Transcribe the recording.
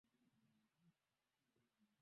kutoka kinshasa mimi kamanda wa kamanda mzembe rfi